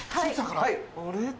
はい。